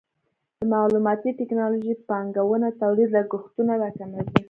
د معلوماتي ټکنالوژۍ پانګونه د تولید لګښتونه راکموي.